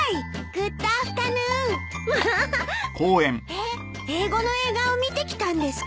えっ英語の映画を見てきたんですか？